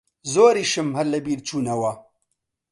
زۆریشم هەر لەبیر چوونەوە